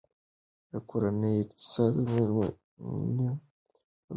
کورنۍ اقتصاد د میرمنو په لاس کې دی.